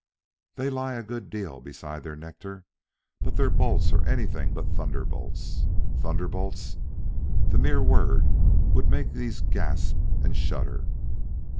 They lie a good deal beside their nectar; but their bolts are anything but thunderbolts. Thunderbolts! The mere word would make these gasp and shudder.